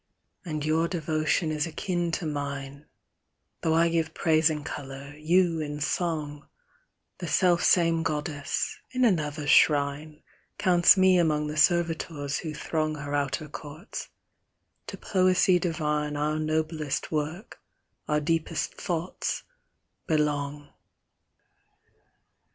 And your devotion is akin to mine, Though I give praise in colour, you in song ; The self same goddess, in another shrine. Counts me among the servitors who throng Her outer courts : to Poesy divine Our noblest work, our deepest thoughts, belong.